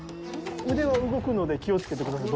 腕は動くので気をつけてください。